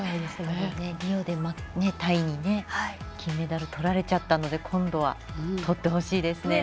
リオではタイに金メダルとられちゃったので今度は、とってほしいですね。